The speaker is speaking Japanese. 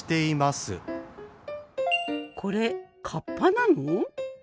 これカッパなの？